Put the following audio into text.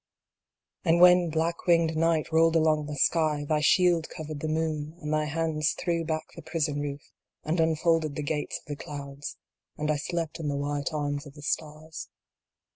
And when black winged night rolled along the sky, thy shield covered the moon, and thy hands threw back the prison roof, and unfolded the gates of the clouds, and I slept in the white arms of the stars.